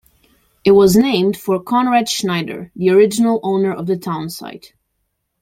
It was named for Conrad Schneider, the original owner of the town site.